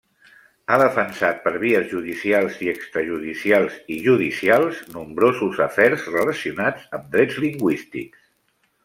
Ha defensat per vies judicials i extrajudicials i judicials nombrosos afers relacionats amb drets lingüístics.